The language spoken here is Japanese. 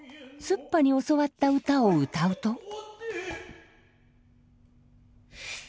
すっぱに教わった歌を歌うと。